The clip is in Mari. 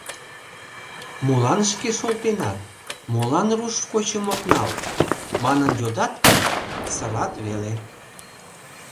«Молан шке шолтенат, молан руш кочым от нал?» манын йодат гын, сырат веле.